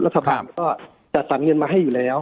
รัฐบาลก็จัดสรรเงินมาให้อยู่แล้ว